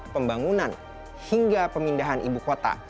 pembangunan hingga pemindahan ibu kota